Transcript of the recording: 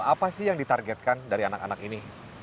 apa sih yang ditargetkan dari anak anak ini